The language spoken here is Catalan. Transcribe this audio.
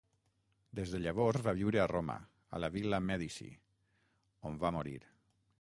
Des de llavors va viure a Roma, a la Vil·la Mèdici, on va morir.